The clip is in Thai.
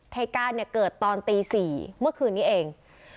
เหตุการณ์เนี่ยเกิดตอนตี๔เมื่อคืนนี้เอง